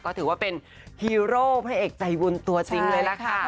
ก็ถือว่าเป็นฮีโร่พระเอกใจบุญตัวจริงเลยล่ะค่ะ